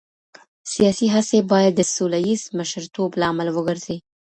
سياسي هڅي بايد د سوله ييز مشرتوب لامل وګرځي.